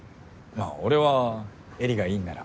まあ俺は絵里がいいんなら。